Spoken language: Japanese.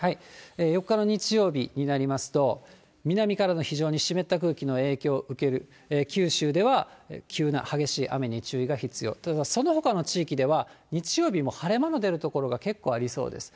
４日の日曜日になりますと、南からの非常に湿った空気の影響を受ける九州では、急な激しい雨に注意が必要、そのほかの地域では、日曜日に晴れ間の出る所も結構ありそうです。